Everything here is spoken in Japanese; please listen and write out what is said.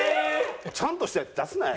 ちゃんとしたやつ出すなや。